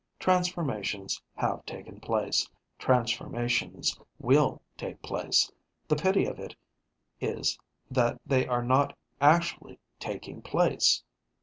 Transformations have taken place, transformations will take place; the pity of it is that they are not actually taking place.